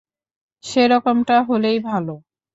সেরকমটা হলেই ভালো!